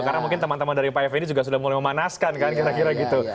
karena mungkin teman teman dari pif ini juga sudah mulai memanaskan kan kira kira gitu